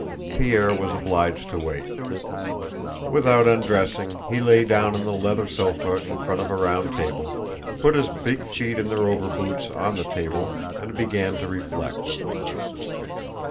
Pierre was obliged to wait. Without undressing, he lay down on the leather sofa in front of a round table, put his big feet in their overboots on the table, and began to reflect.